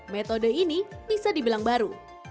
metode ini bisa dibilang baru